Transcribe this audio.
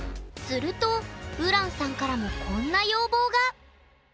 するとＵｒａＮさんからもこんな要望が！